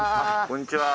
こんにちは。